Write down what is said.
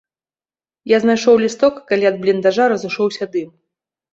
Я знайшоў лісток, калі ад бліндажа разышоўся дым.